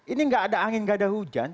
ini tidak ada angin tidak ada hujan